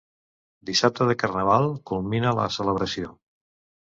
Dissabte de Carnaval culmina la celebració.